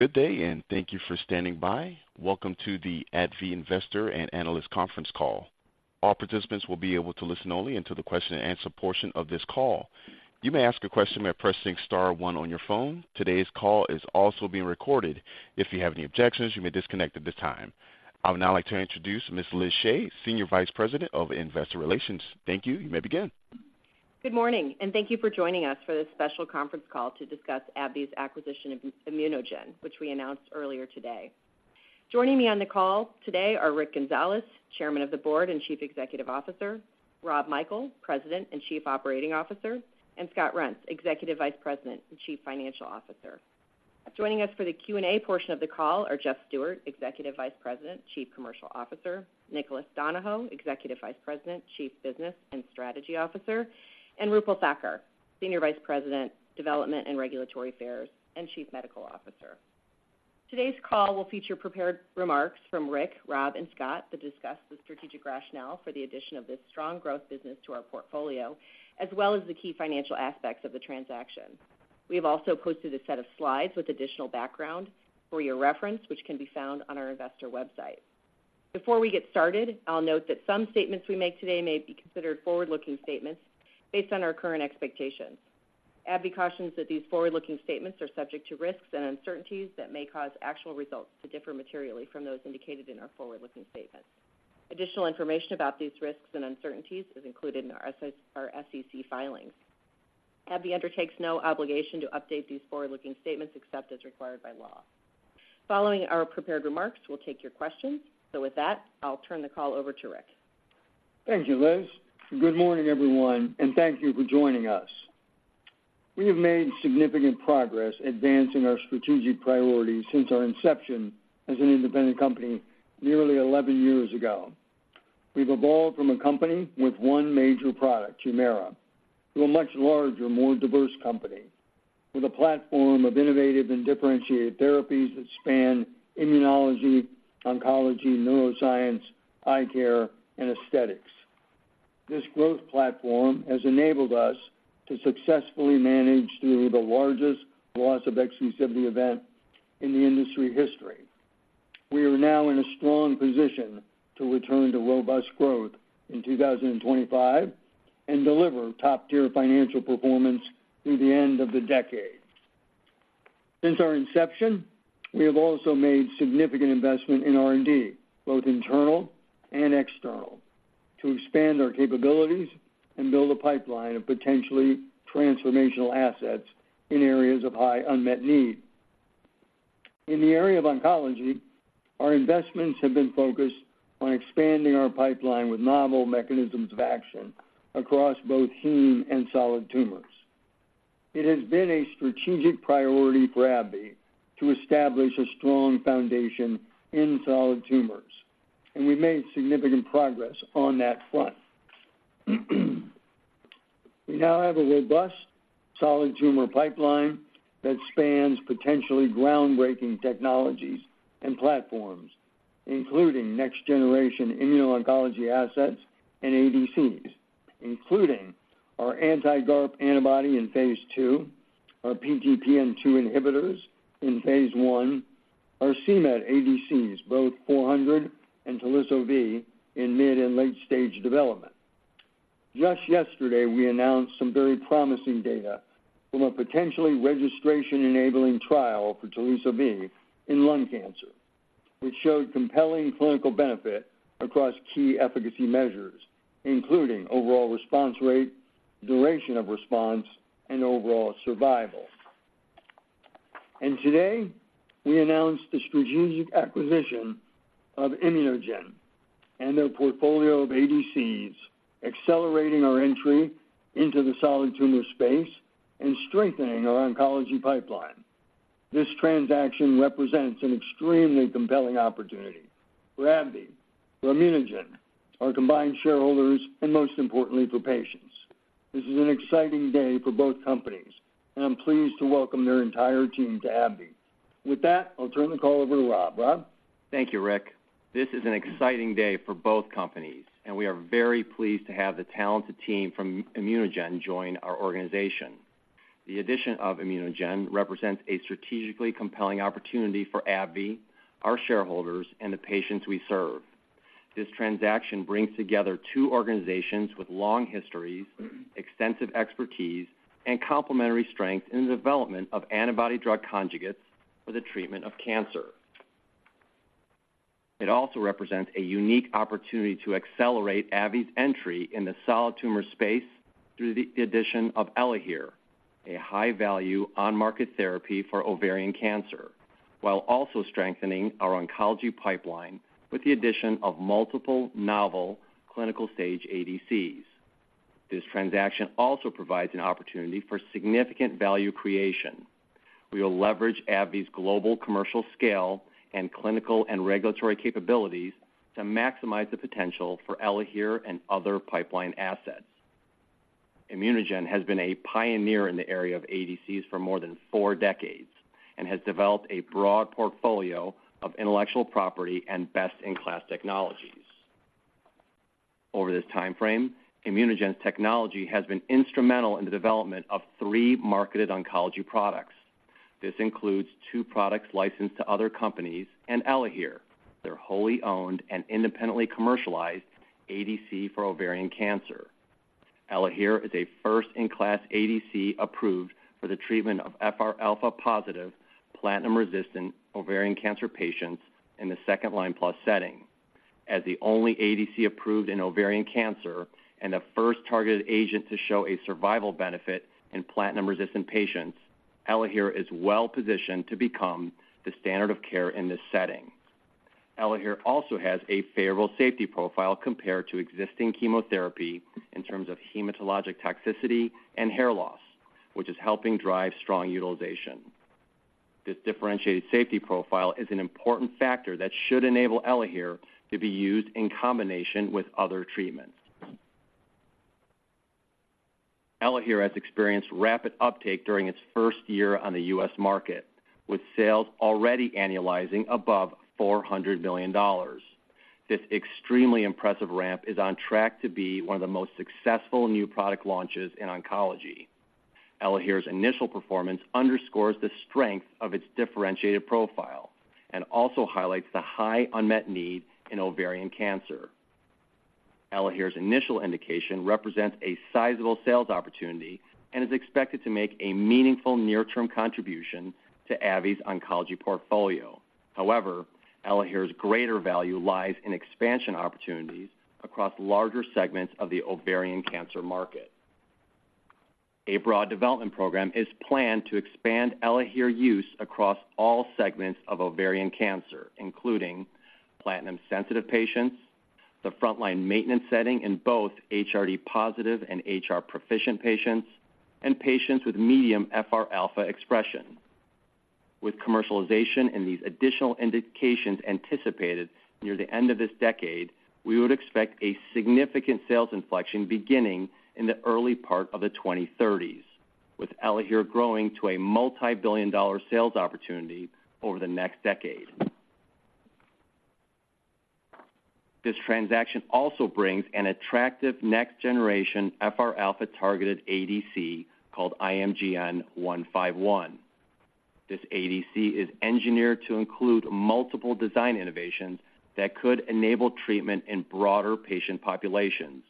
Good day, and thank you for standing by. Welcome to the AbbVie Investor and Analyst Conference Call. All participants will be able to listen only until the question-and-answer portion of this call. You may ask a question by pressing star one on your phone. Today's call is also being recorded. If you have any objections, you may disconnect at this time. I would now like to introduce Ms. Liz Shea, Senior Vice President of Investor Relations. Thank you. You may begin. Good morning, and thank you for joining us for this special conference call to discuss AbbVie's acquisition of ImmunoGen, which we announced earlier today. Joining me on the call today are Rick Gonzalez, Chairman of the Board and Chief Executive Officer, Rob Michael, President and Chief Operating Officer, and Scott Reents, Executive Vice President and Chief Financial Officer. Joining us for the Q&A portion of the call are Jeff Stewart, Executive Vice President, Chief Commercial Officer, Nicholas Donoghue, Executive Vice President, Chief Business and Strategy Officer, and Roopal Thakkar, Senior Vice President, Development and Regulatory Affairs, and Chief Medical Officer. Today's call will feature prepared remarks from Rick, Rob, and Scott to discuss the strategic rationale for the addition of this strong growth business to our portfolio, as well as the key financial aspects of the transaction. We have also posted a set of slides with additional background for your reference, which can be found on our investor website. Before we get started, I'll note that some statements we make today may be considered forward-looking statements based on our current expectations. AbbVie cautions that these forward-looking statements are subject to risks and uncertainties that may cause actual results to differ materially from those indicated in our forward-looking statements. Additional information about these risks and uncertainties is included in our SEC filings. AbbVie undertakes no obligation to update these forward-looking statements except as required by law. Following our prepared remarks, we'll take your questions. With that, I'll turn the call over to Rick. Thank you, Liz. Good morning, everyone, and thank you for joining us. We have made significant progress advancing our strategic priorities since our inception as an independent company nearly 11 years ago. We've evolved from a company with one major product, Humira, to a much larger, more diverse company with a platform of innovative and differentiated therapies that span immunology, oncology, neuroscience, eye care, and aesthetics. This growth platform has enabled us to successfully manage through the largest loss of exclusivity event in the industry history. We are now in a strong position to return to robust growth in 2025 and deliver top-tier financial performance through the end of the decade. Since our inception, we have also made significant investment in R&D, both internal and external, to expand our capabilities and build a pipeline of potentially transformational assets in areas of high unmet need. In the area of oncology, our investments have been focused on expanding our pipeline with novel mechanisms of action across both heme and solid tumors. It has been a strategic priority for AbbVie to establish a strong foundation in solid tumors, and we made significant progress on that front. We now have a robust solid tumor pipeline that spans potentially groundbreaking technologies and platforms, including next-generation immuno-oncology assets and ADCs, including our anti-GARP antibody in phase 2, our PTPN2 inhibitors in phase 1, our c-Met ADCs, both 400 and Teliso-V in mid- and late-stage development. Just yesterday, we announced some very promising data from a potentially registration-enabling trial for Teliso-V in lung cancer, which showed compelling clinical benefit across key efficacy measures, including overall response rate, duration of response, and overall survival. Today, we announced the strategic acquisition of ImmunoGen and their portfolio of ADCs, accelerating our entry into the solid tumor space and strengthening our oncology pipeline. This transaction represents an extremely compelling opportunity for AbbVie, for ImmunoGen, our combined shareholders, and most importantly, for patients. This is an exciting day for both companies, and I'm pleased to welcome their entire team to AbbVie. With that, I'll turn the call over to Rob. Rob? Thank you, Rick. This is an exciting day for both companies, and we are very pleased to have the talented team from ImmunoGen join our organization. The addition of ImmunoGen represents a strategically compelling opportunity for AbbVie, our shareholders, and the patients we serve. This transaction brings together two organizations with long histories, extensive expertise, and complementary strength in the development of antibody drug conjugates for the treatment of cancer. It also represents a unique opportunity to accelerate AbbVie's entry in the solid tumor space through the addition of Elahere, a high-value on-market therapy for ovarian cancer, while also strengthening our oncology pipeline with the addition of multiple novel clinical-stage ADCs. This transaction also provides an opportunity for significant value creation. We will leverage AbbVie's global commercial scale and clinical and regulatory capabilities to maximize the potential for Elahere and other pipeline assets. ImmunoGen has been a pioneer in the area of ADCs for more than four decades and has developed a broad portfolio of intellectual property and best-in-class technologies. Over this timeframe, ImmunoGen's technology has been instrumental in the development of three marketed oncology products. This includes two products licensed to other companies and Elahere, their wholly owned and independently commercialized ADC for ovarian cancer. Elahere is a first-in-class ADC approved for the treatment of FR alpha-positive, platinum-resistant ovarian cancer patients in the second-line-plus setting. As the only ADC approved in ovarian cancer and the first targeted agent to show a survival benefit in platinum-resistant patients, Elahere is well-positioned to become the standard of care in this setting. Elahere also has a favorable safety profile compared to existing chemotherapy in terms of hematologic toxicity and hair loss, which is helping drive strong utilization. This differentiated safety profile is an important factor that should enable Elahere to be used in combination with other treatments. Elahere has experienced rapid uptake during its first year on the U.S. market, with sales already annualizing above $400 million. This extremely impressive ramp is on track to be one of the most successful new product launches in oncology. Elahere's initial performance underscores the strength of its differentiated profile and also highlights the high unmet need in ovarian cancer. Elahere's initial indication represents a sizable sales opportunity and is expected to make a meaningful near-term contribution to AbbVie's oncology portfolio. However, Elahere's greater value lies in expansion opportunities across larger segments of the ovarian cancer market. A broad development program is planned to expand Elahere use across all segments of ovarian cancer, including platinum-sensitive patients, the frontline maintenance setting in both HRD-positive and HR-proficient patients, and patients with medium FR alpha expression. With commercialization in these additional indications anticipated near the end of this decade, we would expect a significant sales inflection beginning in the early part of the 2030s, with Elahere growing to a multibillion-dollar sales opportunity over the next decade. This transaction also brings an attractive next-generation FR alpha-targeted ADC called IMGN151. This ADC is engineered to include multiple design innovations that could enable treatment in broader patient populations.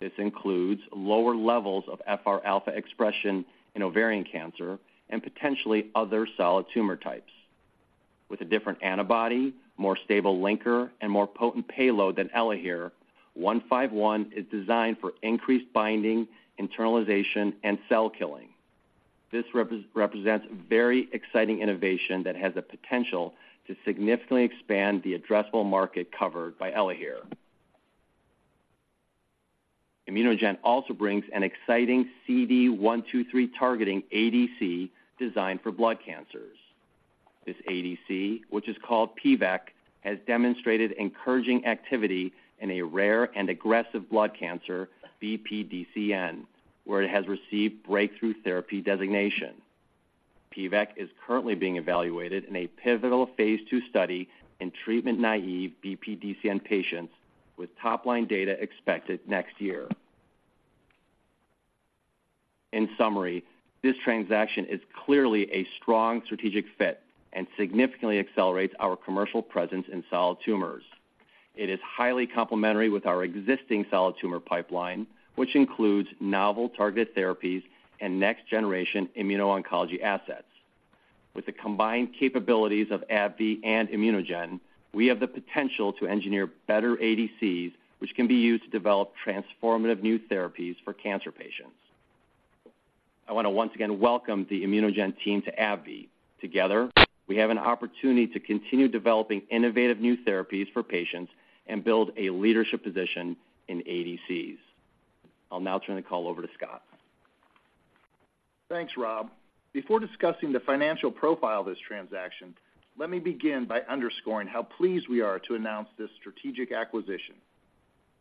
This includes lower levels of FR alpha expression in ovarian cancer and potentially other solid tumor types. With a different antibody, more stable linker, and more potent payload than Elahere, IMGN151 is designed for increased binding, internalization, and cell killing. This represents very exciting innovation that has the potential to significantly expand the addressable market covered by Elahere. ImmunoGen also brings an exciting CD123-targeting ADC designed for blood cancers. This ADC, which is called pivekimab, has demonstrated encouraging activity in a rare and aggressive blood cancer, BPDCN, where it has received breakthrough therapy designation. pivekimab is currently being evaluated in a pivotal Phase II study in treatment-naive BPDCN patients, with top-line data expected next year. In summary, this transaction is clearly a strong strategic fit and significantly accelerates our commercial presence in solid tumors. It is highly complementary with our existing solid tumor pipeline, which includes novel targeted therapies and next-generation immuno-oncology assets. With the combined capabilities of AbbVie and ImmunoGen, we have the potential to engineer better ADCs, which can be used to develop transformative new therapies for cancer patients. I want to once again welcome the ImmunoGen team to AbbVie. Together, we have an opportunity to continue developing innovative new therapies for patients and build a leadership position in ADCs. I'll now turn the call over to Scott. Thanks, Rob. Before discussing the financial profile of this transaction, let me begin by underscoring how pleased we are to announce this strategic acquisition.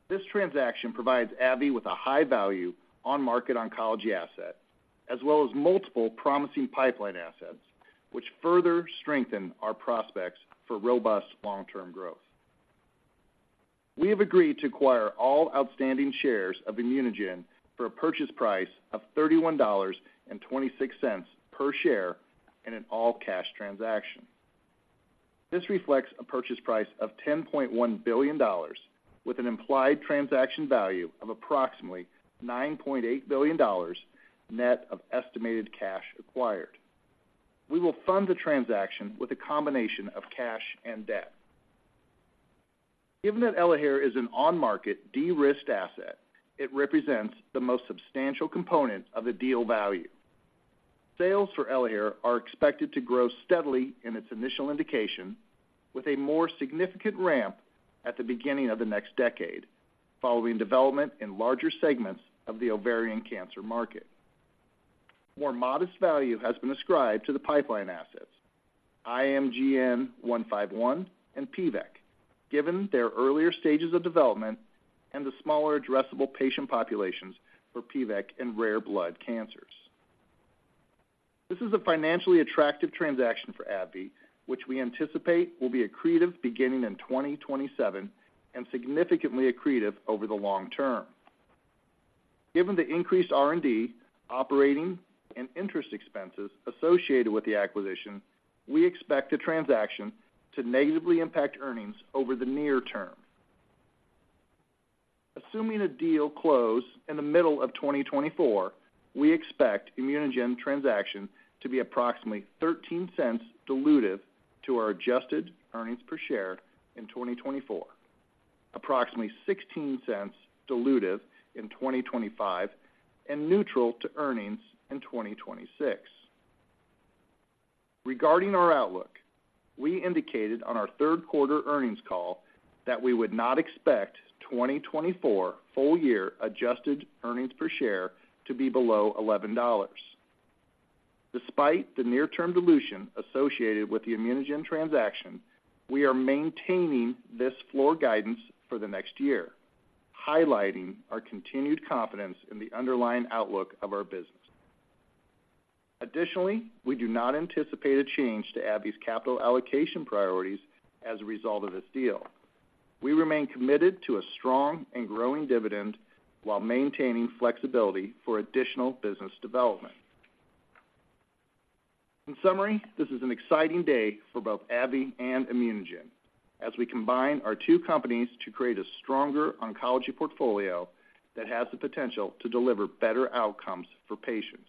This transaction provides AbbVie with a high-value, on-market oncology asset, as well as multiple promising pipeline assets, which further strengthen our prospects for robust long-term growth. We have agreed to acquire all outstanding shares of ImmunoGen for a purchase price of $31.26 per share in an all-cash transaction. This reflects a purchase price of $10.1 billion, with an implied transaction value of approximately $9.8 billion, net of estimated cash acquired. We will fund the transaction with a combination of cash and debt. Given that Elahere is an on-market, de-risked asset, it represents the most substantial component of the deal value. Sales for Elahere are expected to grow steadily in its initial indication, with a more significant ramp at the beginning of the next decade, following development in larger segments of the ovarian cancer market. More modest value has been ascribed to the pipeline assets, IMGN151 and pivekimab, given their earlier stages of development and the smaller addressable patient populations for pivekimab in rare blood cancers. This is a financially attractive transaction for AbbVie, which we anticipate will be accretive beginning in 2027 and significantly accretive over the long term. Given the increased R&D, operating and interest expenses associated with the acquisition, we expect the transaction to negatively impact earnings over the near term. Assuming the deal close in the middle of 2024, we expect ImmunoGen transaction to be approximately $0.13 dilutive to our adjusted earnings per share in 2024, approximately $0.16 dilutive in 2025, and neutral to earnings in 2026. Regarding our outlook, we indicated on our third quarter earnings call that we would not expect 2024 full year adjusted earnings per share to be below $11. Despite the near-term dilution associated with the ImmunoGen transaction, we are maintaining this floor guidance for the next year, highlighting our continued confidence in the underlying outlook of our business. Additionally, we do not anticipate a change to AbbVie's capital allocation priorities as a result of this deal. We remain committed to a strong and growing dividend while maintaining flexibility for additional business development. In summary, this is an exciting day for both AbbVie and ImmunoGen as we combine our two companies to create a stronger oncology portfolio that has the potential to deliver better outcomes for patients.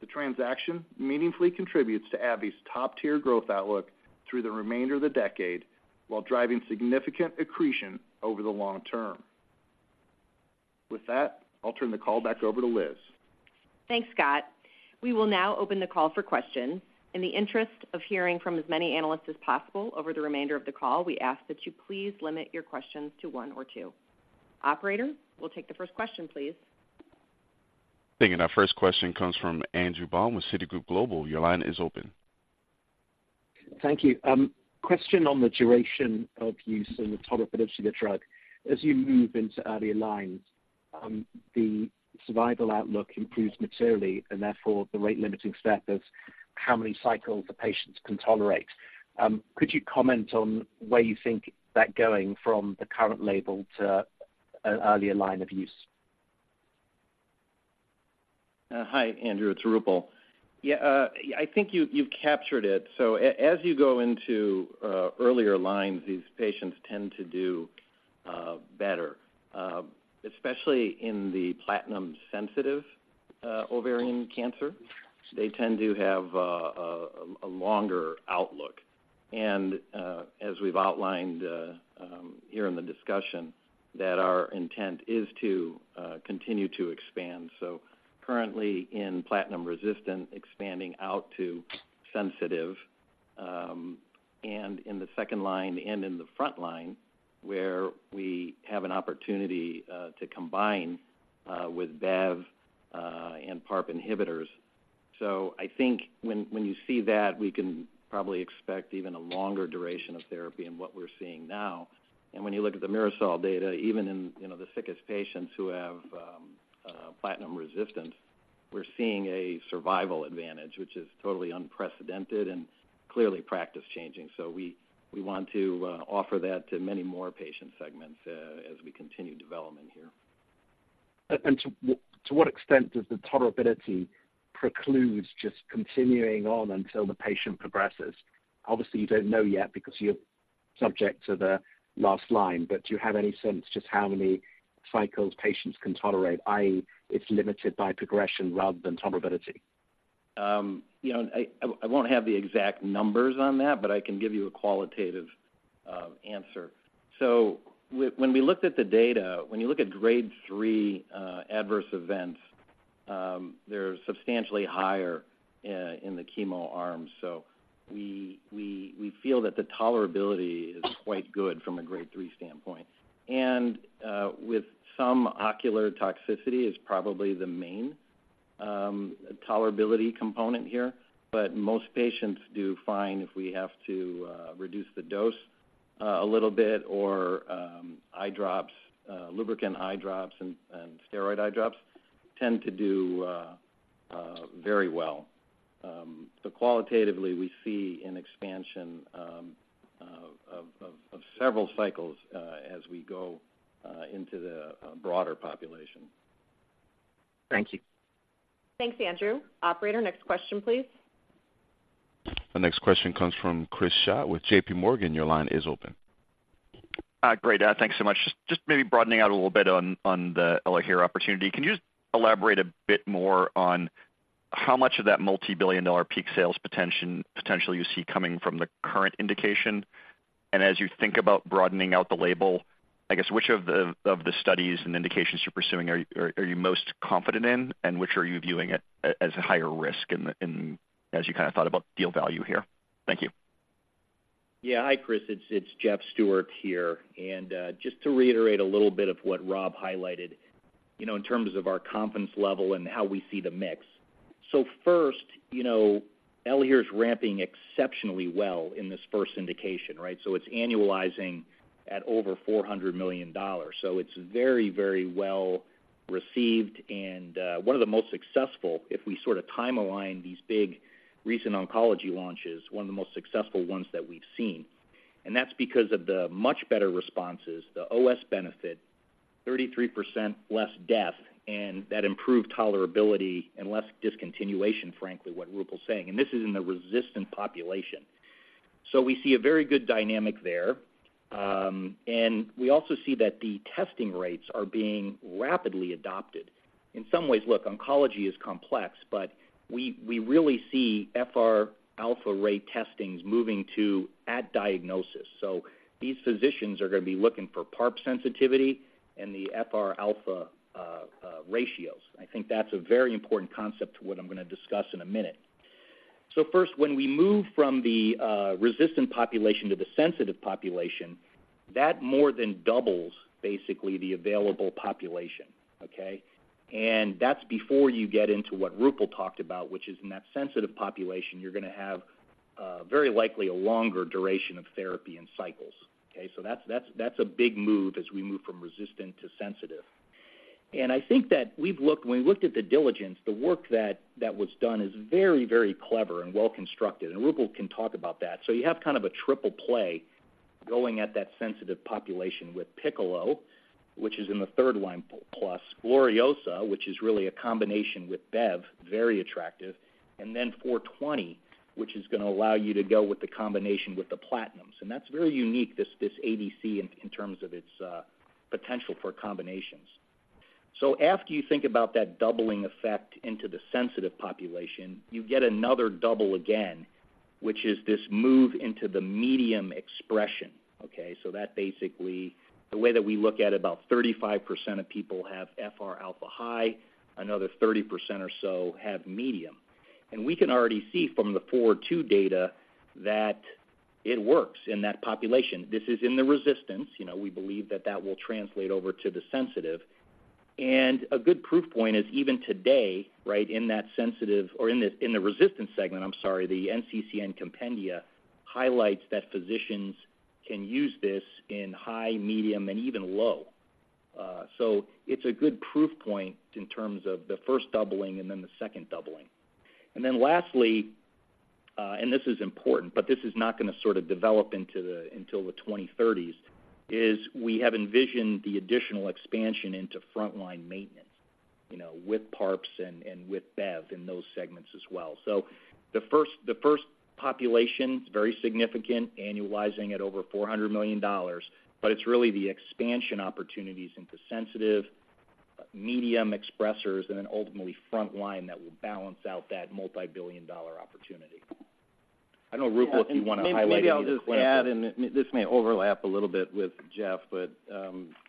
The transaction meaningfully contributes to AbbVie's top-tier growth outlook through the remainder of the decade, while driving significant accretion over the long term. With that, I'll turn the call back over to Liz. Thanks, Scott. We will now open the call for questions. In the interest of hearing from as many analysts as possible over the remainder of the call, we ask that you please limit your questions to one or two. Operator, we'll take the first question, please. Thank you. Our first question comes from Andrew Baum with Citigroup Global. Your line is open. Thank you. Question on the duration of use and the tolerability of the drug. As you move into early lines, the survival outlook improves materially, and therefore, the rate limiting step of how many cycles the patients can tolerate. Could you comment on where you think that going from the current label to an earlier line of use? Hi, Andrew, it's Roopal. Yeah, I think you, you've captured it. So as you go into earlier lines, these patients tend to do better, especially in the platinum-sensitive ovarian cancer. They tend to have a longer outlook. And as we've outlined here in the discussion, that our intent is to continue to expand. So currently in platinum-resistant, expanding out to sensitive, and in the second line and in the front line, where we have an opportunity to combine with Bev and PARP inhibitors. So I think when you see that, we can probably expect even a longer duration of therapy in what we're seeing now. When you look at the MIRASOL data, even in, you know, the sickest patients who have platinum resistance, we're seeing a survival advantage, which is totally unprecedented and clearly practice-changing. So we want to offer that to many more patient segments, as we continue development here. To what, to what extent does the tolerability precludes just continuing on until the patient progresses? Obviously, you don't know yet because you're subject to the last line, but do you have any sense just how many cycles patients can tolerate, i.e., it's limited by progression rather than tolerability? You know, I won't have the exact numbers on that, but I can give you a qualitative answer. When we looked at the data, when you look at grade 3 adverse events, they're substantially higher in the chemo arm. We feel that the tolerability is quite good from a grade 3 standpoint. With some ocular toxicity is probably the main tolerability component here, but most patients do fine if we have to reduce the dose a little bit, or eye drops, lubricant eye drops and steroid eye drops, tend to do very well. But qualitatively, we see an expansion of several cycles as we go into the broader population. Thank you. Thanks, Andrew. Operator, next question, please. The next question comes from Chris Schott with J.P. Morgan. Your line is open. Great. Thanks so much. Just maybe broadening out a little bit on the Elahere opportunity. Can you just elaborate a bit more on how much of that multibillion-dollar peak sales potential you see coming from the current indication? And as you think about broadening out the label, I guess, which of the studies and indications you're pursuing are you most confident in, and which are you viewing it as a higher risk in, as you kind of thought about deal value here? Thank you. Yeah. Hi, Chris. It's, it's Jeff Stewart here. And just to reiterate a little bit of what Rob highlighted, you know, in terms of our confidence level and how we see the mix. So first, you know, Elahere's ramping exceptionally well in this first indication, right? So it's annualizing at over $400 million. So it's very, very well received, and one of the most successful, if we sort of time align these big recent oncology launches, one of the most successful ones that we've seen. And that's because of the much better responses, the OS benefit, 33% less death, and that improved tolerability and less discontinuation, frankly, what Roopal's saying, and this is in the resistant population. So we see a very good dynamic there. And we also see that the testing rates are being rapidly adopted. In some ways, look, oncology is complex, but we really see FR alpha rate testings moving to at diagnosis. So these physicians are gonna be looking for PARP sensitivity and the FR alpha ratios. I think that's a very important concept to what I'm gonna discuss in a minute. So first, when we move from the resistant population to the sensitive population, that more than doubles, basically, the available population, okay? And that's before you get into what Roopal talked about, which is in that sensitive population, you're gonna have very likely a longer duration of therapy and cycles, okay? So that's, that's, that's a big move as we move from resistant to sensitive. And I think that we've looked. When we looked at the diligence, the work that was done is very, very clever and well constructed, and Roopal can talk about that. So you have kind of a triple play going at that sensitive population with PICCOLO, which is in the third line, plus GLORIOSA, which is really a combination with Bev, very attractive, and then FORWARD II, which is gonna allow you to go with the combination with the platinums. And that's very unique, this ADC, in terms of its potential for combinations. So after you think about that doubling effect into the sensitive population, you get another double again, which is this move into the medium expression, okay? So that basically, the way that we look at, about 35% of people have FR alpha high, another 30% or so have medium. We can already see from the FORWARD II data that it works in that population. This is in the resistance. You know, we believe that that will translate over to the sensitive. And a good proof point is even today, right, in that sensitive, or in the resistance segment, I'm sorry, the NCCN compendia highlights that physicians can use this in high, medium, and even low. So it's a good proof point in terms of the first doubling and then the second doubling. And then lastly, and this is important, but this is not gonna sort of develop into until the 2030s, as we have envisioned the additional expansion into frontline maintenance, you know, with PARPs and with Bev in those segments as well. So the first population, very significant, annualizing at over $400 million, but it's really the expansion opportunities into sensitive, medium expressers and then ultimately front line that will balance out that multibillion-dollar opportunity. I don't know, Roopal, if you wanna highlight any of the clinical- Maybe I'll just add, and this may overlap a little bit with Jeff, but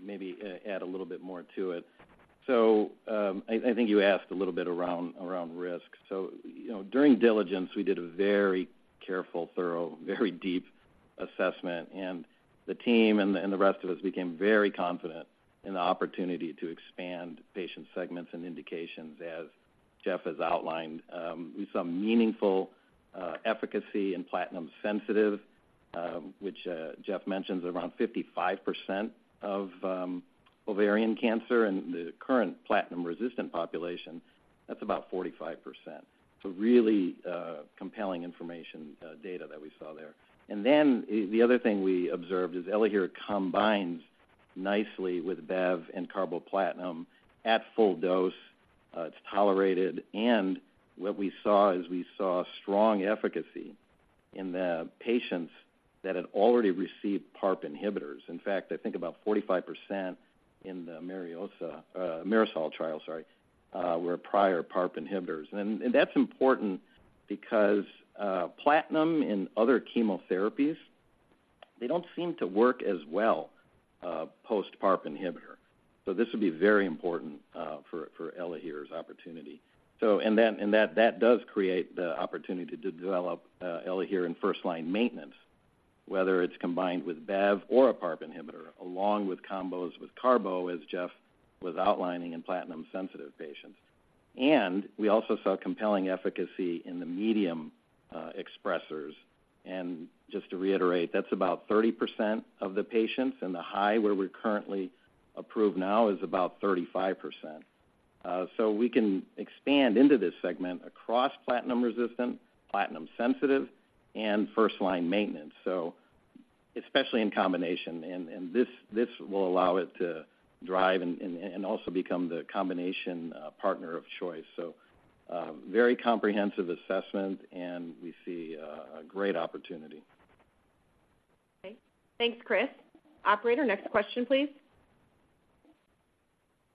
maybe add a little bit more to it. So, I think you asked a little bit around risk. So, you know, during diligence, we did a very careful, thorough, very deep assessment, and the team and the rest of us became very confident in the opportunity to expand patient segments and indications, as Jeff has outlined. We saw meaningful efficacy in platinum sensitive, which Jeff mentions around 55% of ovarian cancer and the current platinum resistant population, that's about 45%. So really compelling information, data that we saw there. And then the other thing we observed is Elahere combines nicely with Bev and carboplatin at full dose. It's tolerated, and what we saw is we saw strong efficacy in the patients that had already received PARP inhibitors. In fact, I think about 45% in the MIRASOL trial were prior PARP inhibitors. And that's important because platinum and other chemotherapies, they don't seem to work as well post-PARP inhibitor. So this would be very important for Elahere's opportunity. And then, that does create the opportunity to develop Elahere in first-line maintenance, whether it's combined with Bev or a PARP inhibitor, along with combos with carbo, as Jeff was outlining in platinum-sensitive patients. And we also saw compelling efficacy in the medium expressors. And just to reiterate, that's about 30% of the patients, and the high, where we're currently approved now, is about 35%. So we can expand into this segment across platinum resistant, platinum sensitive, and first-line maintenance, so especially in combination. And this will allow it to drive and also become the combination partner of choice. So, very comprehensive assessment, and we see a great opportunity. Okay. Thanks, Chris. Operator, next question, please.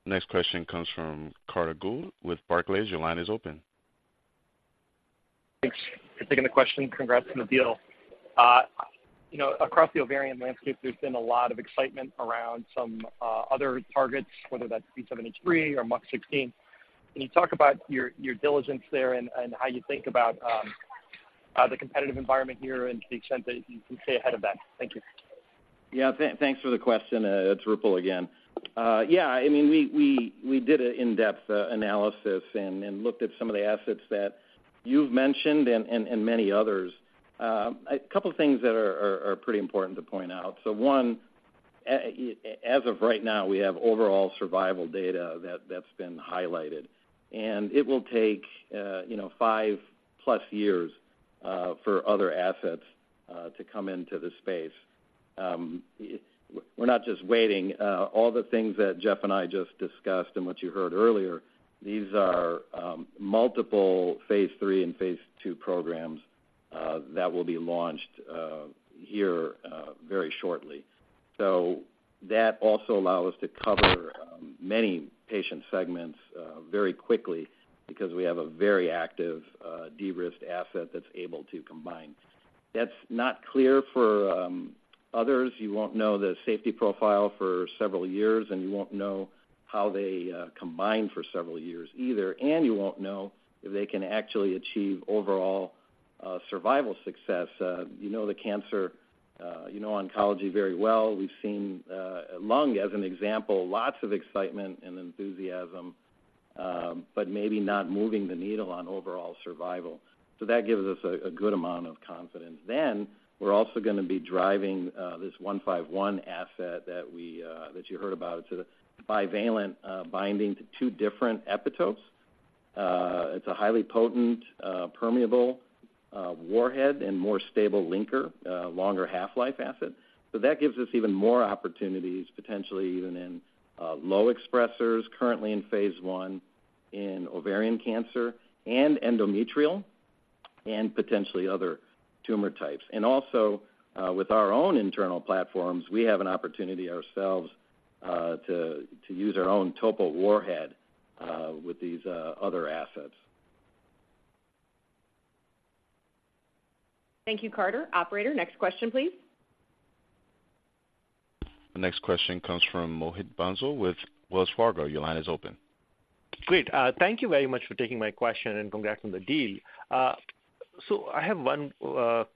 Next question comes from Carter Gould with Barclays. Your line is open. Thanks for taking the question. Congrats on the deal. You know, across the ovarian landscape, there's been a lot of excitement around some other targets, whether that's B7-H3 or MUC16. Can you talk about your diligence there and how you think about the competitive environment here and to the extent that you can stay ahead of that? Thank you.... Yeah, thanks for the question. It's Roopal again. Yeah, I mean, we did an in-depth analysis and looked at some of the assets that you've mentioned and many others. A couple of things that are pretty important to point out. So one, as of right now, we have overall survival data that's been highlighted, and it will take, you know, 5+ years, for other assets, to come into the space. We're not just waiting. All the things that Jeff and I just discussed and what you heard earlier, these are multiple phase three and phase two programs that will be launched here very shortly. So that also allow us to cover, many patient segments, very quickly because we have a very active, de-risked asset that's able to combine. That's not clear for, others. You won't know the safety profile for several years, and you won't know how they, combine for several years either, and you won't know if they can actually achieve overall, survival success. You know the cancer, you know oncology very well. We've seen, lung as an example, lots of excitement and enthusiasm, but maybe not moving the needle on overall survival. So that gives us a, a good amount of confidence. Then we're also gonna be driving, this 151 asset that we, that you heard about. It's a bivalent, binding to two different epitopes. It's a highly potent, permeable, warhead and more stable linker, longer half-life asset. So that gives us even more opportunities, potentially even in low expressers, currently in phase one, in ovarian cancer and endometrial, and potentially other tumor types. And also, with our own internal platforms, we have an opportunity ourselves, to use our own topo warhead, with these other assets. Thank you, Carter. Operator, next question, please. The next question comes from Mohit Bansal with Wells Fargo. Your line is open. Great. Thank you very much for taking my question, and congrats on the deal. So I have one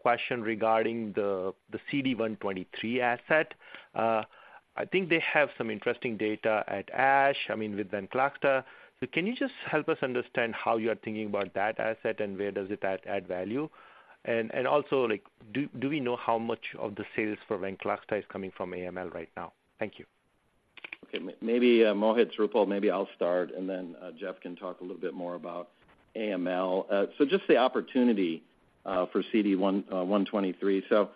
question regarding the CD123 asset. I think they have some interesting data at ASH, I mean, with Venclexta. So can you just help us understand how you are thinking about that asset, and where does it add value? And also, like, do we know how much of the sales for Venclexta is coming from AML right now? Thank you. Okay, maybe, Mohit, Roopal, maybe I'll start, and then, Jeff can talk a little bit more about AML. So just the opportunity for CD123. So,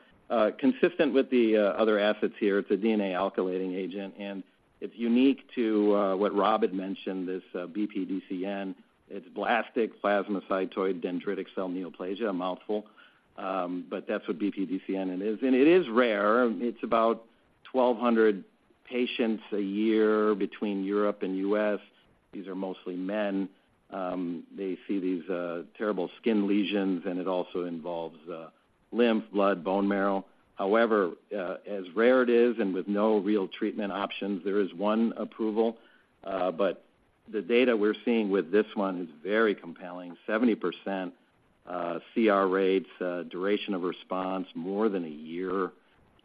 consistent with the other assets here, it's a DNA alkylating agent, and it's unique to what Rob had mentioned, this BPDCN. It's blastic plasmacytoid dendritic cell neoplasia, a mouthful, but that's what BPDCN is. And it is rare. It's about 1,200 patients a year between Europe and U.S. These are mostly men. They see these terrible skin lesions, and it also involves lymph, blood, bone marrow. However, as rare it is, and with no real treatment options, there is one approval, but the data we're seeing with this one is very compelling, 70% CR rates, duration of response, more than a year,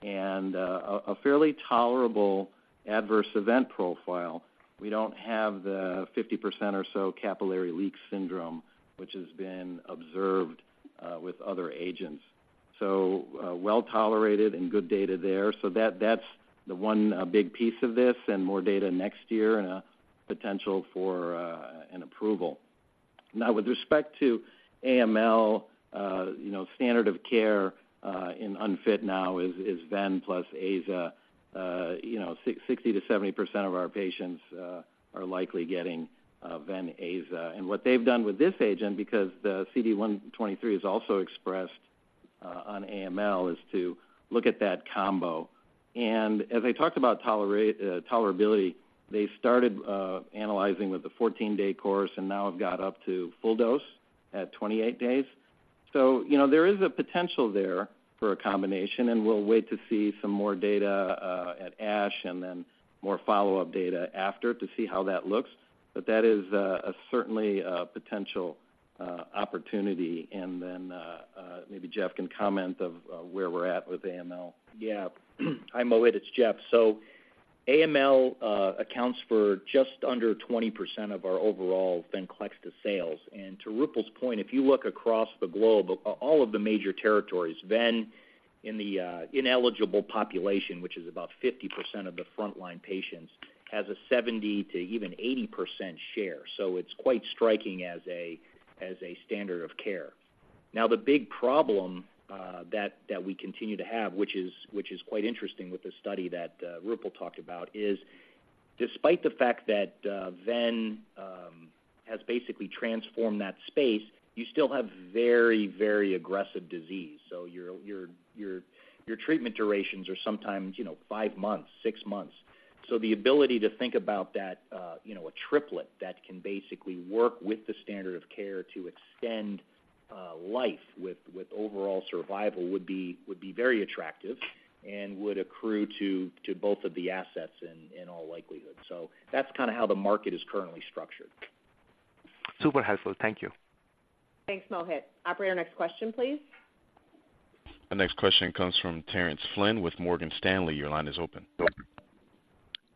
and a fairly tolerable adverse event profile. We don't have the 50% or so capillary leak syndrome, which has been observed with other agents. So, well tolerated and good data there. So that's the one big piece of this and more data next year and a potential for an approval. Now, with respect to AML, you know, standard of care in unfit now is Ven plus Aza. You know, 60%-70% of our patients are likely getting Ven Aza. And what they've done with this agent, because the CD123 is also expressed on AML, is to look at that combo. And as I talked about tolerability, they started analyzing with the 14-day course and now have got up to full dose at 28 days. So, you know, there is a potential there for a combination, and we'll wait to see some more data at ASH and then more follow-up data after to see how that looks. But that is a certainly a potential opportunity. And then maybe Jeff can comment on where we're at with AML. Yeah. Hi, Mohit, it's Jeff. So AML accounts for just under 20% of our overall Venclexta sales. And to Roopal's point, if you look across the globe, all of the major territories, Ven, in the ineligible population, which is about 50% of the frontline patients, has a 70%-80% share. So it's quite striking as a standard of care. Now, the big problem that we continue to have, which is quite interesting with the study that Roopal talked about, is despite the fact that Ven has basically transformed that space, you still have very, very aggressive disease. So your treatment durations are sometimes, you know, five months, six months. So the ability to think about that, you know, a triplet that can basically work with the standard of care to extend life with overall survival would be very attractive and would accrue to both of the assets in all likelihood. So that's kind of how the market is currently structured.... Super helpful. Thank you. Thanks, Mohit. Operator, next question, please. The next question comes from Terence Flynn with Morgan Stanley. Your line is open.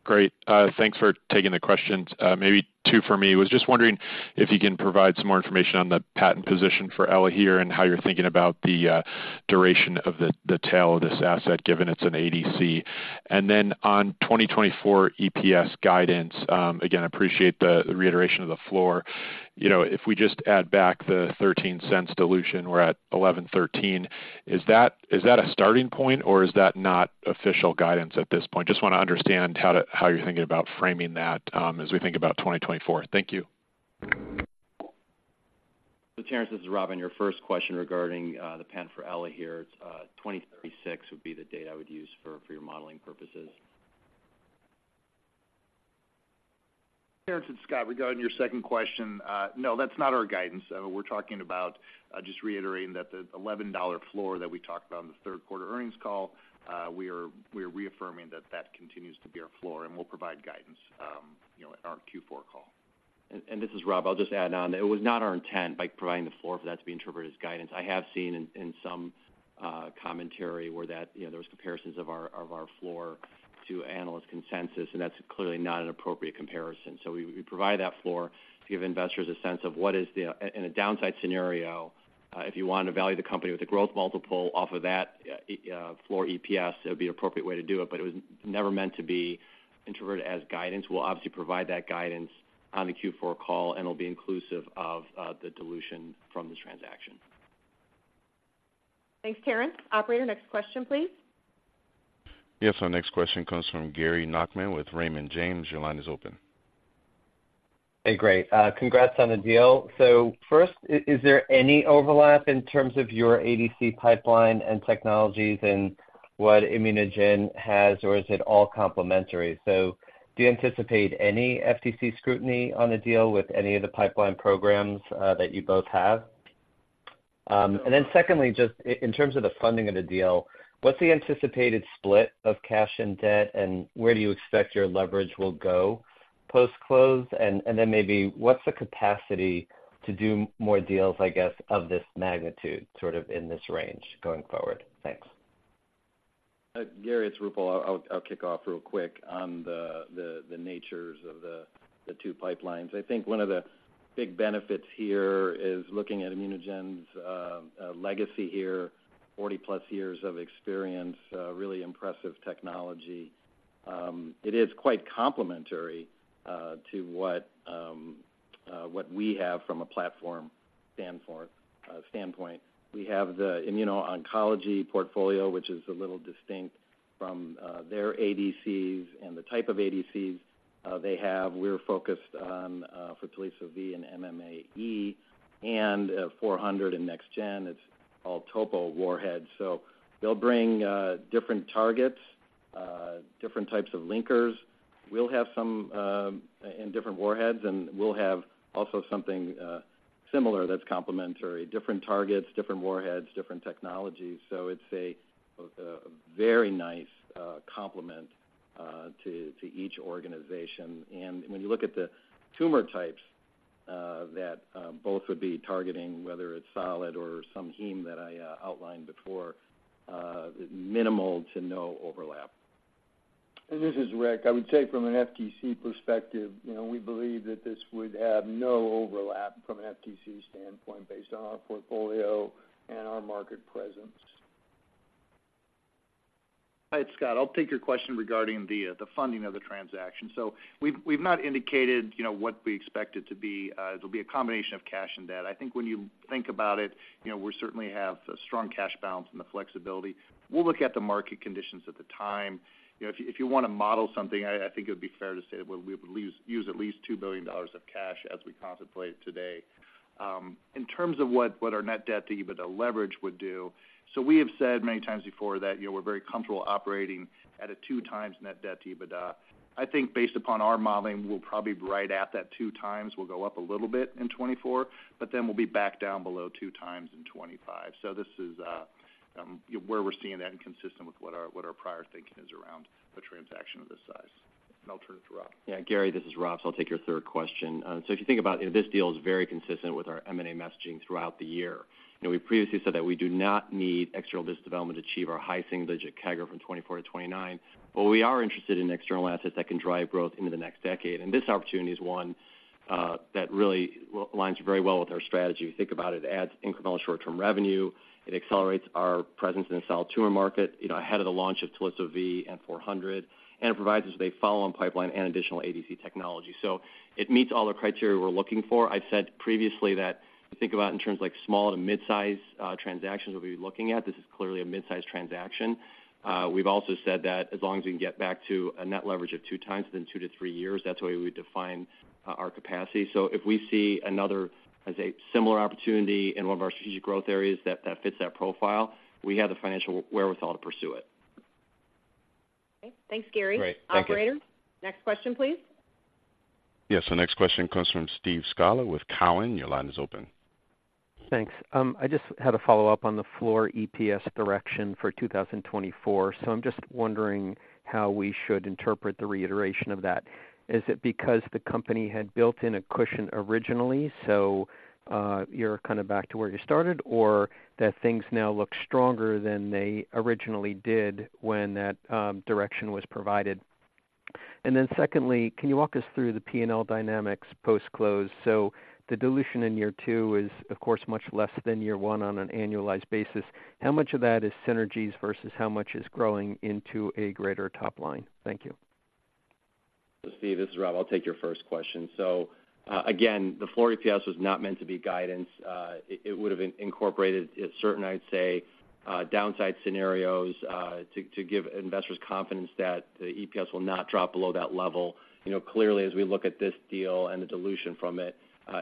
Great. Thanks for taking the questions. Maybe two for me. Was just wondering if you can provide some more information on the patent position for Elahere and how you're thinking about the duration of the tail of this asset, given it's an ADC. And then on 2024 EPS guidance, again, appreciate the reiteration of the floor. You know, if we just add back the $0.13 dilution, we're at $11.13. Is that a starting point, or is that not official guidance at this point? Just wanna understand how you're thinking about framing that, as we think about 2024. Thank you. Terence, this is Rob. On your first question regarding the patent for Elahere, 2036 would be the date I would use for your modeling purposes. Terence, it's Scott. Regarding your second question, no, that's not our guidance. We're talking about just reiterating that the $11 floor that we talked about on the third quarter earnings call, we are, we are reaffirming that that continues to be our floor, and we'll provide guidance, you know, in our Q4 call. This is Rob. I'll just add on. It was not our intent by providing the floor for that to be interpreted as guidance. I have seen in some commentary where that, you know, there was comparisons of our floor to analyst consensus, and that's clearly not an appropriate comparison. So we provide that floor to give investors a sense of what is the in a downside scenario, if you want to value the company with a growth multiple off of that floor EPS, it would be an appropriate way to do it. But it was never meant to be interpreted as guidance. We'll obviously provide that guidance on the Q4 call, and it'll be inclusive of the dilution from this transaction. Thanks, Terence. Operator, next question, please. Yes, our next question comes from Gary Nachman with Raymond James. Your line is open. Hey, great. Congrats on the deal. So first, is there any overlap in terms of your ADC pipeline and technologies in what ImmunoGen has, or is it all complementary? So do you anticipate any FTC scrutiny on the deal with any of the pipeline programs, that you both have? And then secondly, just in terms of the funding of the deal, what's the anticipated split of cash and debt, and where do you expect your leverage will go post-close? And then maybe what's the capacity to do more deals, I guess, of this magnitude, sort of in this range, going forward? Thanks. Gary, it's Roopal. I'll kick off real quick on the natures of the two pipelines. I think one of the big benefits here is looking at ImmunoGen's legacy here, 40-plus years of experience, really impressive technology. It is quite complementary to what we have from a platform standpoint, standpoint. We have the immuno-oncology portfolio, which is a little distinct from their ADCs and the type of ADCs they have. We're focused on for Teliso-V and MMAE and ABBV-400 in next gen. It's all topo warheads. So they'll bring different targets, different types of linkers. We'll have some and different warheads, and we'll have also something similar that's complementary. Different targets, different warheads, different technologies. So it's a very nice complement to each organization. And when you look at the tumor types that both would be targeting, whether it's solid or some heme that I outlined before, minimal to no overlap. This is Rick. I would say from an FTC perspective, you know, we believe that this would have no overlap from an FTC standpoint, based on our portfolio and our market presence. Hi, it's Scott. I'll take your question regarding the funding of the transaction. So we've not indicated, you know, what we expect it to be. It'll be a combination of cash and debt. I think when you think about it, you know, we certainly have a strong cash balance and the flexibility. We'll look at the market conditions at the time. You know, if you want to model something, I think it would be fair to say that we would use at least $2 billion of cash as we contemplate today. In terms of what our net debt to EBITDA leverage would do, so we have said many times before that, you know, we're very comfortable operating at a 2x net debt to EBITDA. I think based upon our modeling, we're probably right at that 2x. We'll go up a little bit in 2024, but then we'll be back down below 2x in 2025. So this is where we're seeing that and consistent with what our prior thinking is around a transaction of this size. And I'll turn it to Rob. Yeah, Gary, this is Rob, so I'll take your third question. So if you think about it, this deal is very consistent with our M&A messaging throughout the year. You know, we previously said that we do not need external business development to achieve our high single-digit CAGR from 2024 to 2029, but we are interested in external assets that can drive growth into the next decade. And this opportunity is one that really aligns very well with our strategy. If you think about it, it adds incremental short-term revenue, it accelerates our presence in the solid tumor market, you know, ahead of the launch of Teliso-V and ABBV-400, and it provides us a follow-on pipeline and additional ADC technology. So it meets all the criteria we're looking for. I've said previously that think about in terms like small to mid-size transactions we'll be looking at. This is clearly a mid-size transaction. We've also said that as long as we can get back to a net leverage of 2x within 2-3 years, that's the way we define our capacity. So if we see another as a similar opportunity in one of our strategic growth areas that fits that profile, we have the financial wherewithal to pursue it. Okay. Thanks, Gary. Great. Thank you. Operator, next question, please. Yes, our next question comes from Steve Scala with Cowen. Your line is open.... Thanks. I just had a follow-up on the floor EPS direction for 2024. So I'm just wondering how we should interpret the reiteration of that. Is it because the company had built in a cushion originally, so you're kind of back to where you started, or that things now look stronger than they originally did when that direction was provided? And then secondly, can you walk us through the P&L dynamics post-close? So the dilution in year two is, of course, much less than year one on an annualized basis. How much of that is synergies versus how much is growing into a greater top line? Thank you. Steve, this is Rob. I'll take your first question. So, again, the floor EPS was not meant to be guidance. It would have incorporated a certain, I'd say, downside scenarios, to give investors confidence that the EPS will not drop below that level. You know, clearly, as we look at this deal and the dilution from it,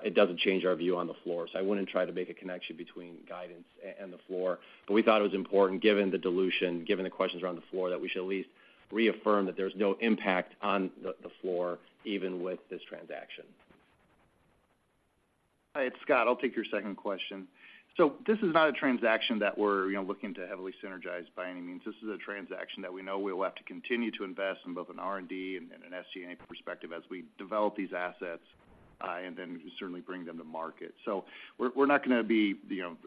it doesn't change our view on the floor. So I wouldn't try to make a connection between guidance and the floor. But we thought it was important, given the dilution, given the questions around the floor, that we should at least reaffirm that there's no impact on the floor, even with this transaction. Hi, it's Scott. I'll take your second question. So this is not a transaction that we're, you know, looking to heavily synergize by any means. This is a transaction that we know we will have to continue to invest in both an R&D and an SG&A perspective as we develop these assets, and then certainly bring them to market. So we're not gonna be, you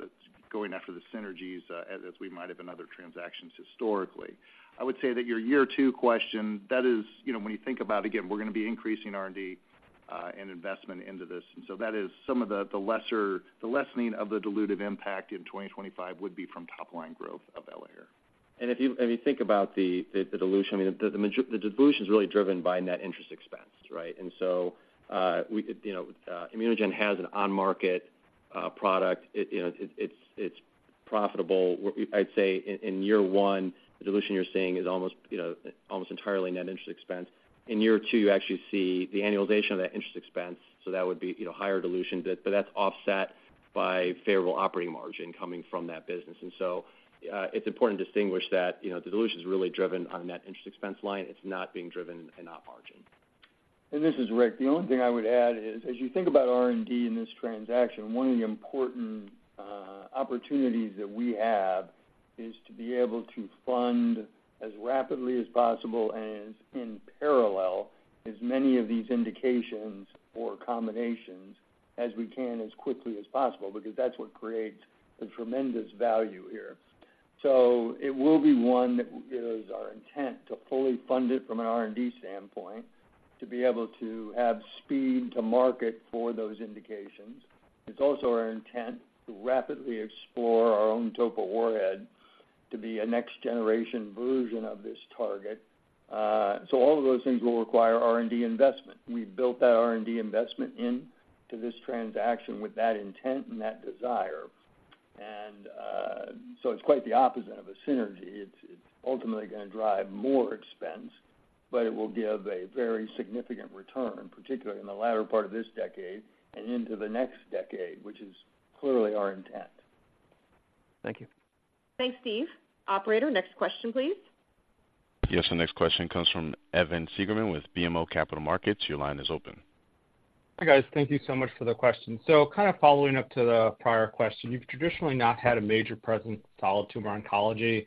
know, going after the synergies, as we might have in other transactions historically. I would say that your year two question, that is... You know, when you think about, again, we're gonna be increasing R&D, and investment into this. And so that is some of the, the lessening of the dilutive impact in 2025 would be from top line growth of Elahere. If you think about the dilution, I mean, the dilution is really driven by net interest expense, right? And so, we could, you know, ImmunoGen has an on-market product. It, you know, it's profitable. I'd say in year one, the dilution you're seeing is almost, you know, almost entirely net interest expense. In year two, you actually see the annualization of that interest expense, so that would be, you know, higher dilution, but that's offset by favorable operating margin coming from that business. And so, it's important to distinguish that, you know, the dilution is really driven on net interest expense line. It's not being driven in Op margin. And this is Rick. The only thing I would add is, as you think about R&D in this transaction, one of the important opportunities that we have is to be able to fund as rapidly as possible and as in parallel, as many of these indications or combinations as we can, as quickly as possible, because that's what creates the tremendous value here. So it will be one that it is our intent to fully fund it from an R&D standpoint, to be able to have speed to market for those indications. It's also our intent to rapidly explore our own TOPO warhead to be a next generation version of this target. So all of those things will require R&D investment. We've built that R&D investment into this transaction with that intent and that desire. So it's quite the opposite of a synergy. It's ultimately gonna drive more expense, but it will give a very significant return, particularly in the latter part of this decade and into the next decade, which is clearly our intent. Thank you. Thanks, Steve. Operator, next question, please. Yes, the next question comes from Evan Seigerman with BMO Capital Markets. Your line is open. Hi, guys. Thank you so much for the question. So kind of following up to the prior question, you've traditionally not had a major presence in solid tumor oncology.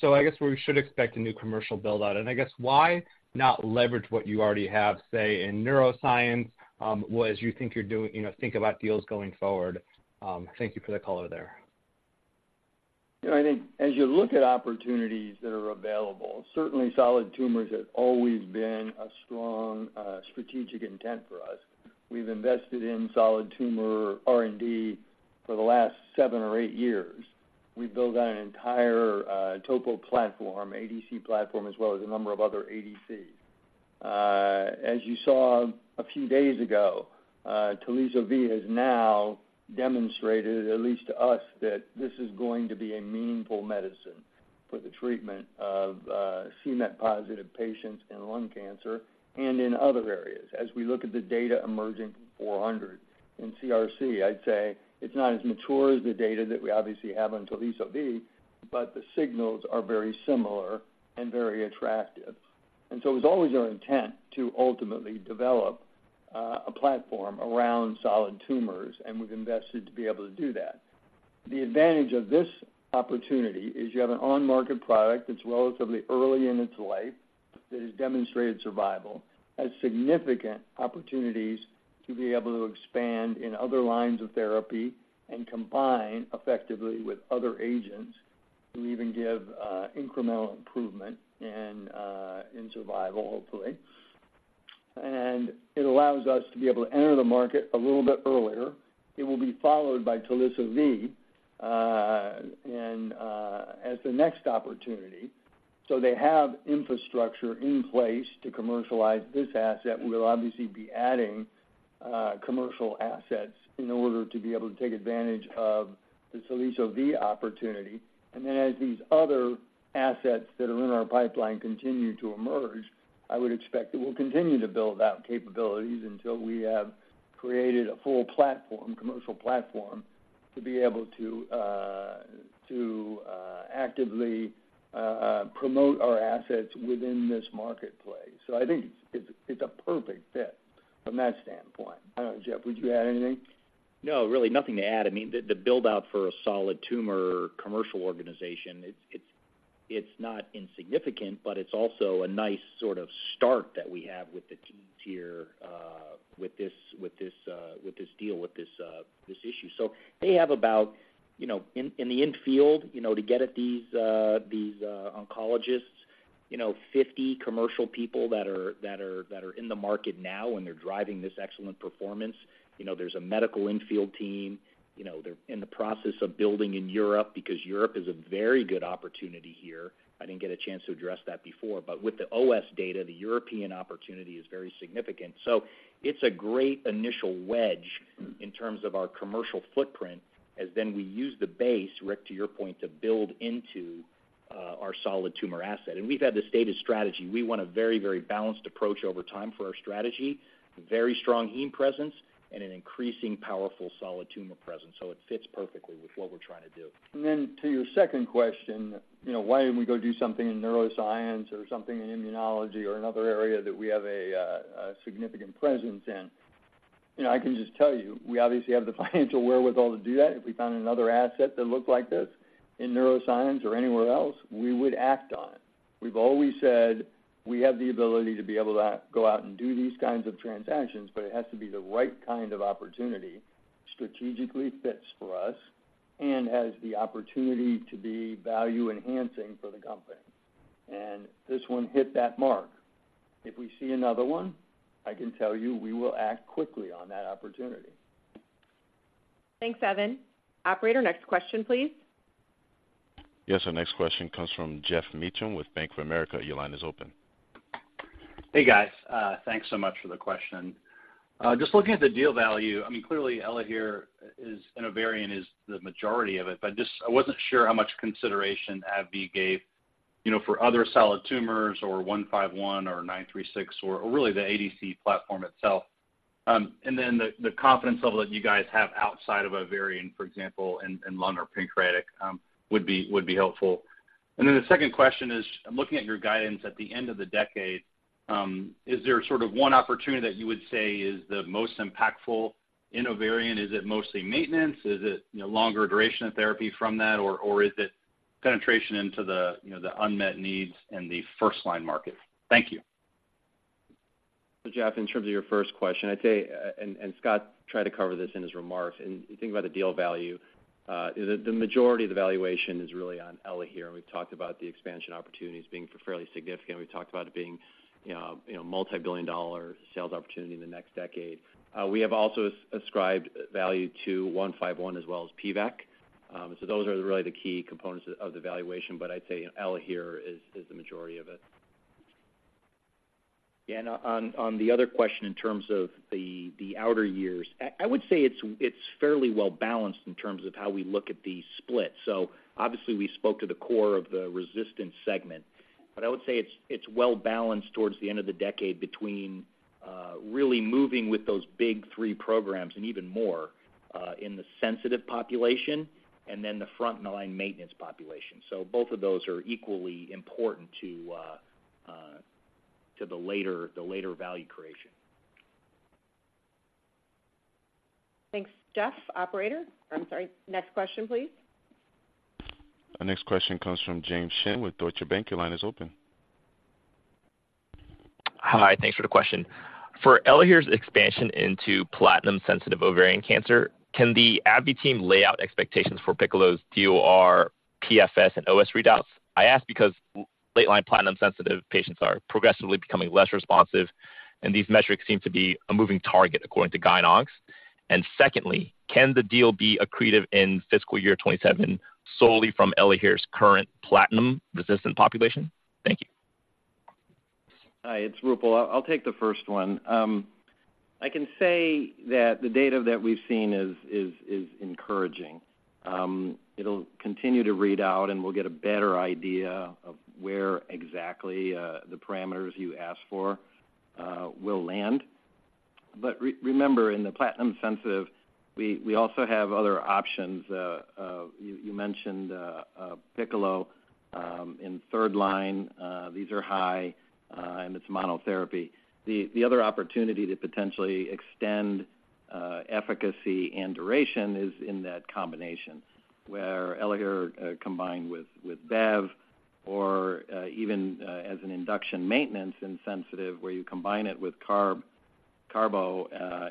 So I guess we should expect a new commercial build-out. And I guess, why not leverage what you already have, say, in neuroscience, as you think you're doing, you know, think about deals going forward? Thank you for the color there. You know, I think as you look at opportunities that are available, certainly solid tumors have always been a strong, strategic intent for us. We've invested in solid tumor R&D for the last 7 or 8 years. We've built out an entire, Topo platform, ADC platform, as well as a number of other ADCs. As you saw a few days ago, Teliso-V has now demonstrated, at least to us, that this is going to be a meaningful medicine for the treatment of, c-Met-positive patients in lung cancer and in other areas. As we look at the data emerging from ABBV-400 in CRC, I'd say it's not as mature as the data that we obviously have on Teliso-V, but the signals are very similar and very attractive. So it was always our intent to ultimately develop a platform around solid tumors, and we've invested to be able to do that. The advantage of this opportunity is you have an on-market product that's relatively early in its life, that has demonstrated survival, has significant opportunities to be able to expand in other lines of therapy and combine effectively with other agents, to even give incremental improvement and in survival, hopefully. It allows us to be able to enter the market a little bit earlier. It will be followed by Teliso-V and as the next opportunity. They have infrastructure in place to commercialize this asset. We'll obviously be adding commercial assets in order to be able to take advantage of the Teliso-V opportunity. And then as these other assets that are in our pipeline continue to emerge, I would expect that we'll continue to build out capabilities until we have created a full platform, commercial platform, to be able to actively promote our assets within this marketplace. So I think it's a perfect fit from that standpoint. I don't know, Jeff, would you add anything? No, really nothing to add. I mean, the build-out for a solid tumor commercial organization, it's-... it's not insignificant, but it's also a nice sort of start that we have with the team here, with this deal, with this issue. So they have about, you know, in the in-field, you know, to get at these oncologists, you know, 50 commercial people that are in the market now, and they're driving this excellent performance. You know, there's a medical in-field team. You know, they're in the process of building in Europe, because Europe is a very good opportunity here. I didn't get a chance to address that before, but with the OS data, the European opportunity is very significant. So it's a great initial wedge in terms of our commercial footprint, as then we use the base, Rick, to your point, to build into our solid tumor asset. We've had the stated strategy. We want a very, very balanced approach over time for our strategy, very strong heme presence, and an increasing powerful solid tumor presence, so it fits perfectly with what we're trying to do. And then to your second question, you know, why didn't we go do something in neuroscience or something in immunology or another area that we have a, a significant presence in? You know, I can just tell you, we obviously have the financial wherewithal to do that. If we found another asset that looked like this in neuroscience or anywhere else, we would act on it. We've always said we have the ability to be able to go out and do these kinds of transactions, but it has to be the right kind of opportunity, strategically fits for us, and has the opportunity to be value-enhancing for the company, and this one hit that mark. If we see another one, I can tell you we will act quickly on that opportunity. Thanks, Evan. Operator, next question, please. Yes, our next question comes from Geoff Meacham with Bank of America. Your line is open. Hey, guys. Thanks so much for the question. Just looking at the deal value, I mean, clearly, Elahere is, in ovarian, is the majority of it, but just I wasn't sure how much consideration AbbVie gave, you know, for other solid tumors or IMGN936, or really, the ADC platform itself. And then the confidence level that you guys have outside of ovarian, for example, in lung or pancreatic, would be helpful. And then the second question is, I'm looking at your guidance at the end of the decade, is there sort of one opportunity that you would say is the most impactful in ovarian? Is it mostly maintenance? Is it, you know, longer duration of therapy from that, or, or is it penetration into the, you know, the unmet needs in the first-line market? Thank you. So Jeff, in terms of your first question, I'd say, and Scott tried to cover this in his remarks, and you think about the deal value, is that the majority of the valuation is really on Elahere. We've talked about the expansion opportunities being fairly significant. We've talked about it being, you know, you know, multibillion-dollar sales opportunity in the next decade. We have also ascribed value to IMGN151 as well as pivekimab. So those are really the key components of the valuation, but I'd say Elahere is the majority of it. Yeah, and on the other question, in terms of the outer years, I would say it's fairly well balanced in terms of how we look at the split. So obviously, we spoke to the core of the resistance segment, but I would say it's well balanced towards the end of the decade between really moving with those big three programs and even more in the sensitive population and then the front-line maintenance population. So both of those are equally important to the later value creation. Thanks, Jeff. Operator... I'm sorry. Next question, please. Our next question comes from James Shin with Deutsche Bank. Your line is open. Hi, thanks for the question. For Elahere's expansion into platinum-sensitive ovarian cancer, can the AbbVie team lay out expectations for PICCOLO's DOR, PFS, and OS readouts? I ask because late-line platinum-sensitive patients are progressively becoming less responsive, and these metrics seem to be a moving target, according to GYNs. And secondly, can the deal be accretive in fiscal year 2027 solely from Elahere's current platinum-resistant population? Thank you. Hi, it's Roopal. I'll take the first one. I can say that the data that we've seen is encouraging. It'll continue to read out, and we'll get a better idea of where exactly the parameters you asked for will land. But remember, in the platinum-sensitive, we also have other options. You mentioned PICCOLO in third-line. These are high, and it's monotherapy. The other opportunity to potentially extend efficacy and duration is in that combination, where Elahere combined with Bev or even as an induction maintenance in sensitive, where you combine it with carbo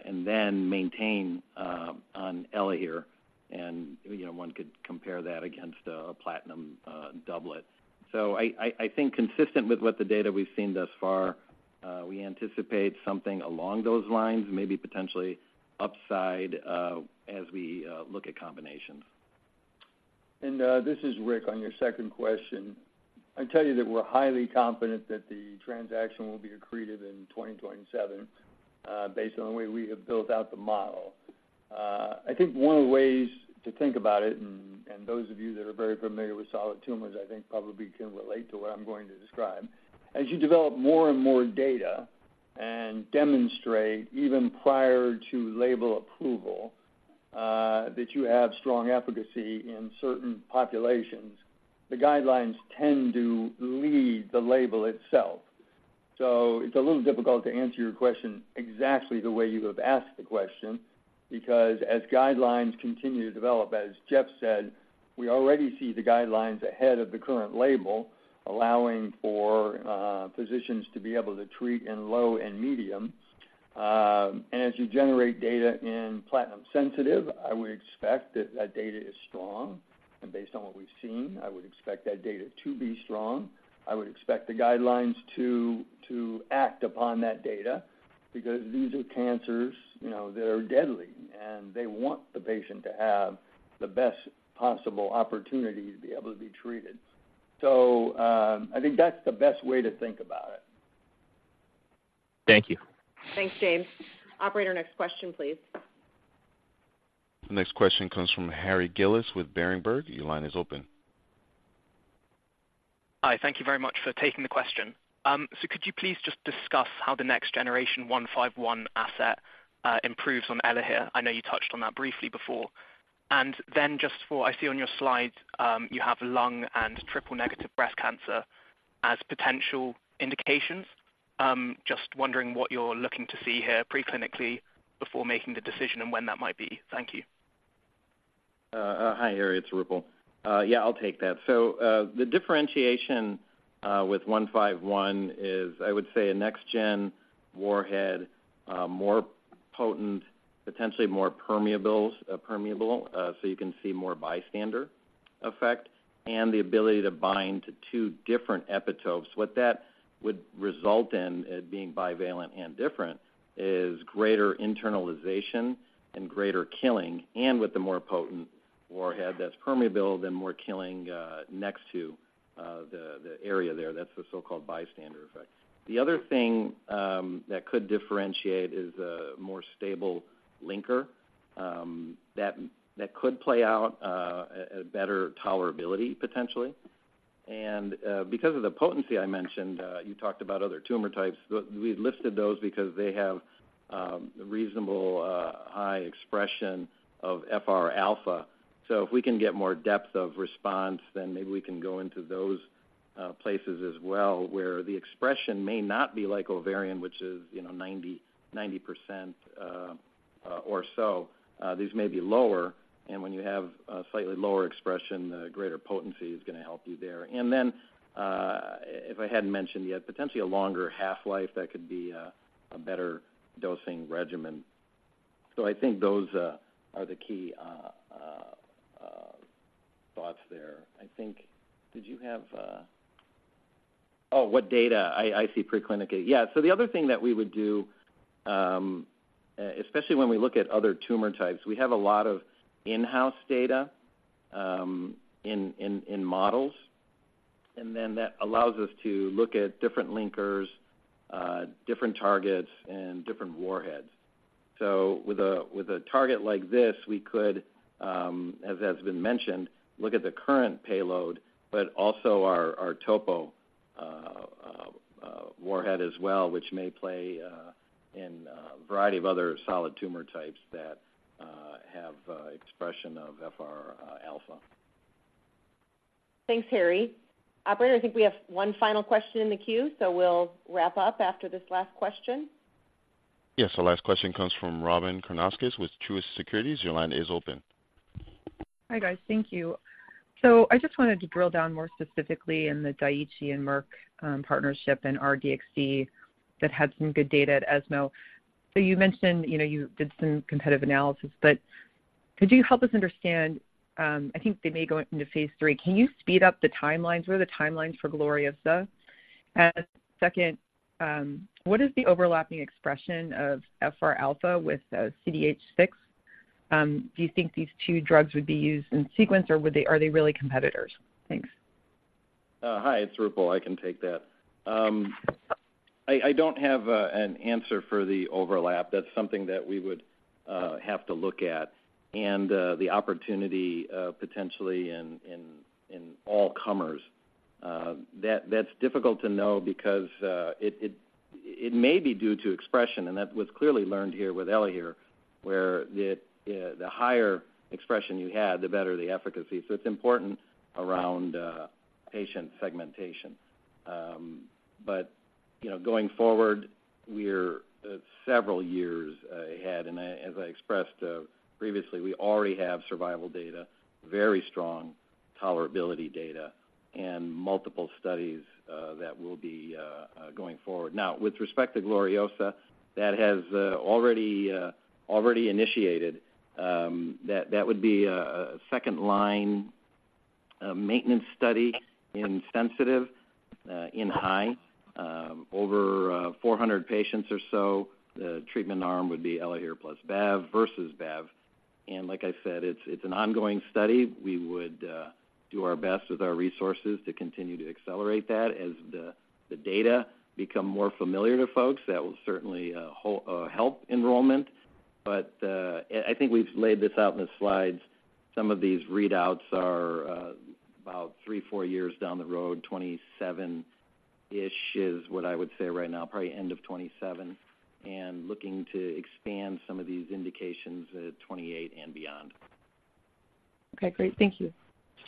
and then maintain on Elahere, and, you know, one could compare that against a platinum doublet. So I think consistent with what the data we've seen thus far, we anticipate something along those lines, maybe potentially upside, as we look at combinations. This is Rick, on your second question. I tell you that we're highly confident that the transaction will be accretive in 2027, based on the way we have built out the model. I think one of the ways to think about it, and, and those of you that are very familiar with solid tumors, I think, probably can relate to what I'm going to describe. As you develop more and more data and demonstrate, even prior to label approval, that you have strong efficacy in certain populations, the guidelines tend to-... the label itself. So it's a little difficult to answer your question exactly the way you have asked the question, because as guidelines continue to develop, as Jeff said, we already see the guidelines ahead of the current label, allowing for physicians to be able to treat in low and medium. And as you generate data in platinum sensitive, I would expect that that data is strong. And based on what we've seen, I would expect that data to be strong. I would expect the guidelines to act upon that data because these are cancers, you know, that are deadly, and they want the patient to have the best possible opportunity to be able to be treated. So I think that's the best way to think about it. Thank you. Thanks, James. Operator, next question, please. The next question comes from Harry Sephton with Berenberg. Your line is open. Hi, thank you very much for taking the question. So could you please just discuss how the next-generation 151 asset improves on Elahere? I know you touched on that briefly before. And then just for... I see on your slide, you have lung and triple-negative breast cancer as potential indications. Just wondering what you're looking to see here preclinically before making the decision and when that might be. Thank you. Hi, Harry, it's Roopal. Yeah, I'll take that. So, the differentiation with 151 is, I would say, a next-gen warhead, more potent, potentially more permeable, so you can see more bystander effect and the ability to bind to two different epitopes. What that would result in, being bivalent and different, is greater internalization and greater killing, and with the more potent warhead that's permeable, then more killing next to the area there. That's the so-called bystander effect. The other thing that could differentiate is a more stable linker that could play out a better tolerability, potentially. And, because of the potency I mentioned, you talked about other tumor types. But we listed those because they have reasonable high expression of FR alpha. So if we can get more depth of response, then maybe we can go into those, places as well, where the expression may not be like ovarian, which is, you know, 90-90%, or so. These may be lower, and when you have a slightly lower expression, the greater potency is gonna help you there. And then, if I hadn't mentioned yet, potentially a longer half-life, that could be a better dosing regimen. So I think those are the key, thoughts there. I think... Did you have... Oh, what data? I see preclinical. Yeah, so the other thing that we would do, especially when we look at other tumor types, we have a lot of in-house data, in models, and then that allows us to look at different linkers, different targets, and different warheads. So with a target like this, we could, as has been mentioned, look at the current payload, but also our topo warhead as well, which may play in a variety of other solid tumor types that have expression of FR alpha. Thanks, Harry. Operator, I think we have one final question in the queue, so we'll wrap up after this last question. Yes, our last question comes from Robin Karnauskas with Truist Securities. Your line is open. Hi, guys. Thank you. So I just wanted to drill down more specifically in the Daiichi and Merck partnership and R-DXd that had some good data at ESMO. So you mentioned, you know, you did some competitive analysis, but could you help us understand, I think they may go into phase 3. Can you speed up the timelines? What are the timelines for GLORIOSA? And second, what is the overlapping expression of FR alpha with CDH6? Do you think these two drugs would be used in sequence, or would they, are they really competitors? Thanks. Hi, it's Roopal. I can take that. I don't have an answer for the overlap. That's something that we would have to look at, and the opportunity potentially in all-comers. That's difficult to know because it may be due to expression, and that was clearly learned here with Elahere, where the higher expression you had, the better the efficacy. So it's important around patient segmentation. But you know, going forward, we're several years ahead. And as I expressed previously, we already have survival data, very strong tolerability data, and multiple studies that will be going forward. Now, with respect to GLORIOSA, that has already initiated, that would be a second-line maintenance study in sensitive, in high. Over 400 patients or so, the treatment arm would be Elahere plus Bev versus Bev. And like I said, it's an ongoing study. We would do our best with our resources to continue to accelerate that. As the data become more familiar to folks, that will certainly help enrollment. But I think we've laid this out in the slides. Some of these readouts are about 3-4 years down the road. 2027-ish is what I would say right now, probably end of 2027, and looking to expand some of these indications at 2028 and beyond. Okay, great. Thank you.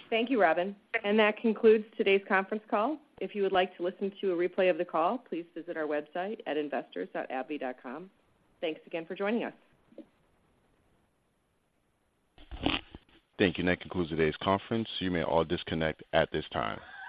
Thank you, Robin. That concludes today's conference call. If you would like to listen to a replay of the call, please visit our website at investors.abbvie.com. Thanks again for joining us. Thank you. That concludes today's conference. You may all disconnect at this time.